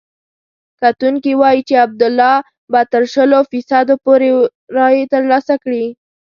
کتونکي وايي چې عبدالله به تر شلو فیصدو پورې رایې ترلاسه کړي.